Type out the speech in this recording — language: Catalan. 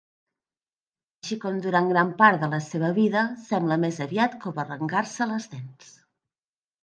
Així com durant gran part de la seva vida, sembla més aviat com arrencar-se les dents.